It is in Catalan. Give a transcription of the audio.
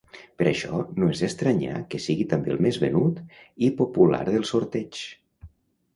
Per això no és d'estranyar que sigui també el més venut i popular dels Sorteigs.